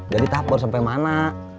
jadi tahap baru sampai mana